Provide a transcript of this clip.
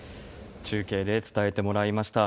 中継で伝えてもらいました。